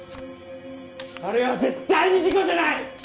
あれは絶対に事故じゃない！